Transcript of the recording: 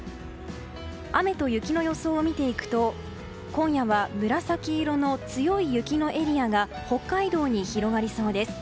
雨と雪の予想を見ていくと今夜は紫色の強い雪のエリアが北海道に広がりそうです。